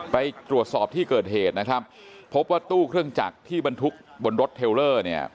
ไปตรวจสอบที่เกิดเหตุนะครับพบว่าตู้เครื่องจักรที่บรรทุกบนรถเทลเลอร์เนี่ย